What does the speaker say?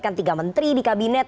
kan tiga menteri di kabinet